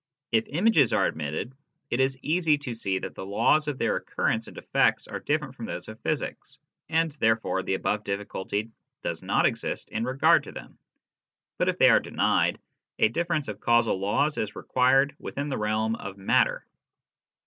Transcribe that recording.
If images are admitted, it is easy to see that the laws of their occurrence and effects are different from those of physics, and therefore the above diffi culty does not exist in regard to them ; but if they are denied, a difference of causal laws is required within the realm of matter.